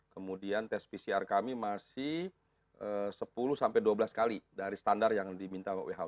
kemudian tes pcr kami masih sepuluh sampai dua belas kali dari standar yang diminta who